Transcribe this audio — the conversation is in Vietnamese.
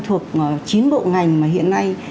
thuộc chín bộ ngành mà hiện nay